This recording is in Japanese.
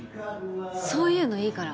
そういうのいいから！